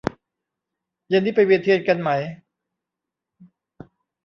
เย็นนี้ไปเวียนเทียนกันไหม